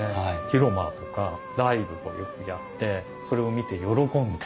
広間とかライブをよくやってそれを見て喜んで。